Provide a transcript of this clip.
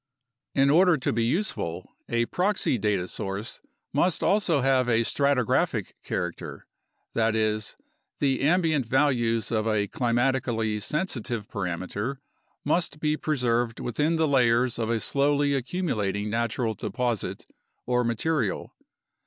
In order to be useful, a proxy data source must also have a strati graphic character; that is, the ambient values of a climatically sensitive parameter must be preserved within the layers of a slowly accumulating natural deposit or material.